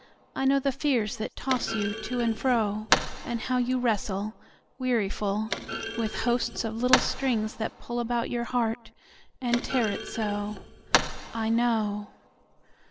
I know the fears that toss you to and fro. And how you wrestle, weariful, With hosts of little strings that pull About your heart, and tear it so. I know.